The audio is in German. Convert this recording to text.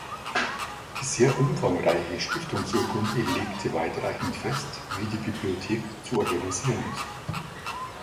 Die sehr umfangreiche Stiftungsurkunde legte weitreichend fest, wie die Bibliothek zu organisieren ist.